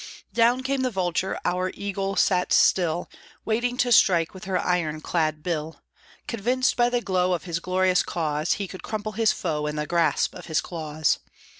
Down came the vulture; our eagle sat still, Waiting to strike with her iron clad bill; Convinced by the glow of his glorious cause, He could crumple his foe in the grasp of his claws.